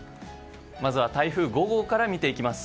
まずは台風５号から見ていきます。